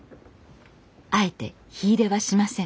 あえて火入れはしません。